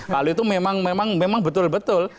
hal itu memang betul betul